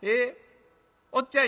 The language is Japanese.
おっちゃん